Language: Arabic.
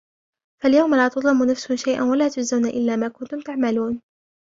فاليوم لا تظلم نفس شيئا ولا تجزون إلا ما كنتم تعملون